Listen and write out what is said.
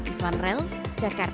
yvan rel jakarta